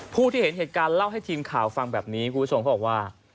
ผู้ที่เห็นเหตุการณ์เล่าให้ทีมข่าวฟังแบบนี้คุณผู้ชมเขาบอกว่า